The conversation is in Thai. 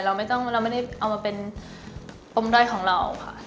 เราไม่ได้เอามาเป็นปมด้อยของเราค่ะ